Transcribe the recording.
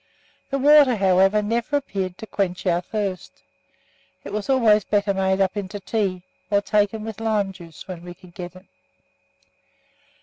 The water, however, never appeared to quench our thirst. It was always better made up into tea, or taken with lime juice when we could get it.